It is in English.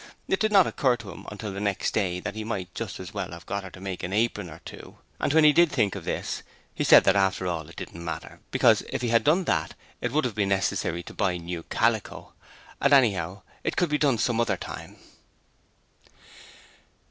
It did not occur to him until the next day that he might just as well have got her to make him an apron or two: and when he did think of this he said that after all it didn't matter, because if he had done that it would have been necessary to buy new calico, and anyhow, it could be done some other time.